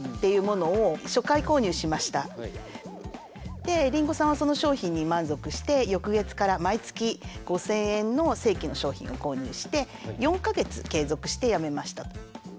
でりんごさんはその商品に満足して翌月から毎月５，０００円の正規の商品を購入して４か月継続してやめました。